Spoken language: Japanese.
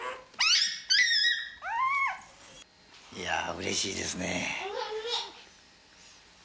うれしいですね。